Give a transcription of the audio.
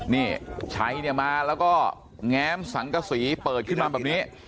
นี่ชัยเนี่ยมาแล้วก็แง้มสังกษีเปิดขึ้นมาแบบนี้